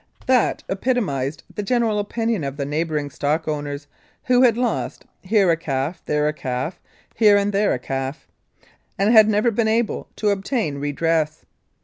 That epitomised the general opinion of the neigh bouring stock owners, who had lost "here a calf, there a calf, here and there a calf," and had never been able to obtain redress.